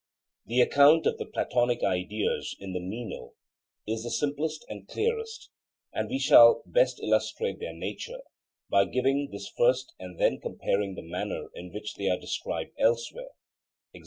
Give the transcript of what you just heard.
The account of the Platonic ideas in the Meno is the simplest and clearest, and we shall best illustrate their nature by giving this first and then comparing the manner in which they are described elsewhere, e.g.